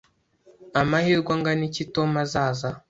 Amahirwe angana iki Tom azaza?